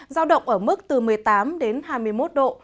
giao động ở mức từ một mươi tám đến hai mươi một độ